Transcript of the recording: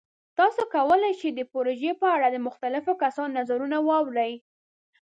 تاسو کولی شئ د پروژې په اړه د مختلفو کسانو نظرونه واورئ.